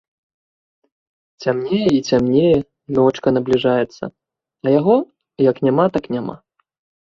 Цямнее і цямнее, ночка набліжаецца, а яго як няма, так няма!